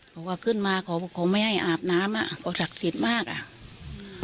เขาก็ขึ้นมาเขาบอกเขาไม่ให้อาบน้ำอ่ะเขาศักดิ์สิทธิ์มากอ่ะ